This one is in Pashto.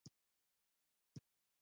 ایران مذهبي سیاحت هم لري.